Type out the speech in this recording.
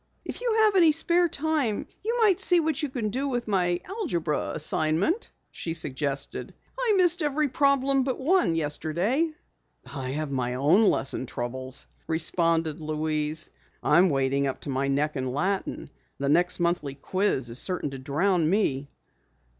"If you have any spare time you might see what you can do with my algebra assignment," she suggested. "I missed every problem but one yesterday." "I have my own lesson troubles," responded Louise. "I'm wading up to my neck in Latin, and the next monthly quiz is certain to drown me."